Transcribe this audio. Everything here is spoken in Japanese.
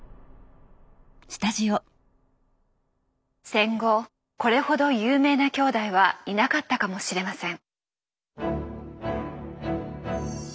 戦後これほど有名な兄弟はいなかったかもしれません。